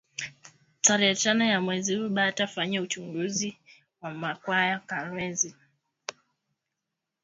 Tarehe tano ya mwezi huu bata fanya uchunguzi wa ma kwaya ya kolwezi